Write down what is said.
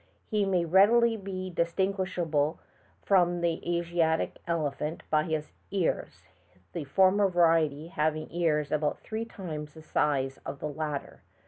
He may readily be distinguished from the Asiatic elephant by his ears, the former variety having ears about three times the size of the latter.